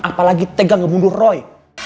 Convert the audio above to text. apalagi tegang ngebunuh roy